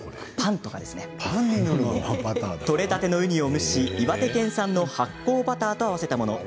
取れたてのウニを蒸し岩手県産の発酵バターと合わせたもの。